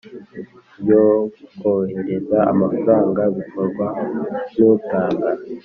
Byo kohereza amafaranga bikorwa n utanga